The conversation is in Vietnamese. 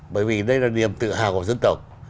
bởi vì đây là niềm tự hào của dân tộc